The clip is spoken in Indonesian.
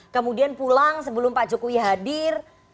kemudian pulang sebelum pak jokowi hadir